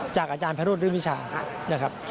จากอาจารย์พระโรศิริมภิชานะครับ